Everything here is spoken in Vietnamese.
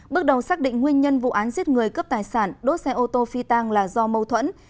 bước đầu xác định nguyên nhân vụ án giết người cướp tài sản đốt xe ô tô phi tăng là do mâu thuẫn